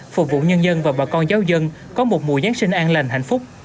phục vụ nhân dân và bà con giáo dân có một mùa giáng sinh an lành hạnh phúc